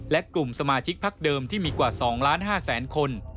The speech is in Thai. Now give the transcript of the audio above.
และกลุ่มสมาชิกพักเดิมที่มีกว่า๒๕๐๐๐คน